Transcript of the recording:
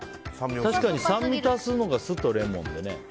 確かに酸味を足すのが酢とレモンでね。